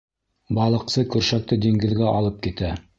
Балыҡсы көршәкте диңгеҙгә алып китә.